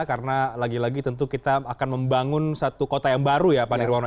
karena lagi lagi tentu kita akan membangun satu kota yang baru ya pak nirwano